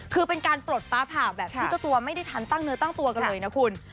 คือเป็นการปลดฟ้าผ่าแบบที่เจ้าตัวไม่ได้ทันตั้งเนื้อตั้งตัวกันเลยนะคุณ